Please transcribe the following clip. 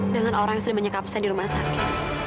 dengan orang yang sudah menyekap saya di rumah sakit